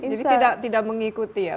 jadi tidak mengikuti ya